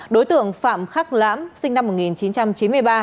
đối tượng phạm khắc lãm sinh năm một nghìn chín trăm chín mươi ba